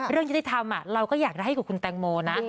เรื่องที่ได้ทำเราก็อยากได้ให้กับคุณแตงโมนะ